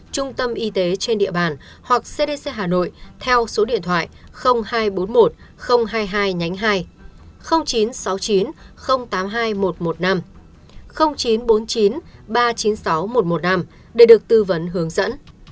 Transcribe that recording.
trung tâm y tế trên địa bàn hoặc cdc hà nội theo số điện thoại hai trăm bốn mươi một hai mươi hai nhánh hai chín trăm sáu mươi chín tám mươi hai một trăm một mươi năm chín trăm bốn mươi chín ba trăm chín mươi sáu một trăm một mươi năm để được tư vấn hướng dẫn